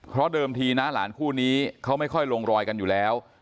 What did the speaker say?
เพราะเดิมทีนะหลานคู่นี้เขาไม่ค่อยลงรอยกันอยู่แล้ว